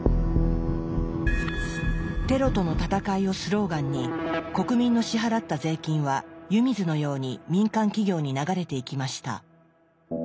「テロとの戦い」をスローガンに国民の支払った税金は湯水のように民間企業に流れていきました。